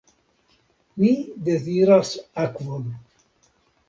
Ni deziras akvon.